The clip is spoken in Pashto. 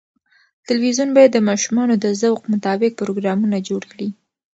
تلویزیون باید د ماشومانو د ذوق مطابق پروګرامونه جوړ کړي.